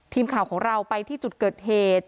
ทีมข่าวของเราไปที่จุดเกิดเหตุ